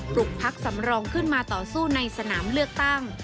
ลุกพักสำรองขึ้นมาต่อสู้ในสนามเลือกตั้ง